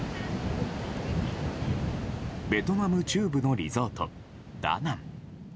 ベトナム中部のリゾートダナン。